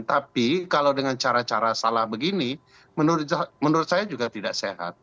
tapi kalau dengan cara cara salah begini menurut saya juga tidak sehat